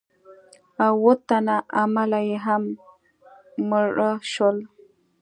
او اووه تنه عمله یې هم مړه شول.